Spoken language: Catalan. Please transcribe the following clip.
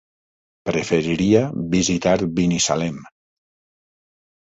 Preferiria visitar Binissalem.